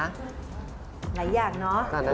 หลายอย่างเนอะ